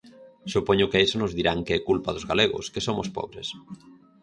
Supoño que a iso nos dirán que é culpa dos galegos, que somos pobres.